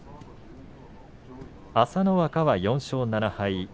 朝乃若は４勝７敗です。